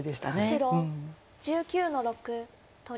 白１９の六取り。